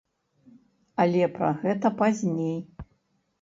Але пра гэта пазней.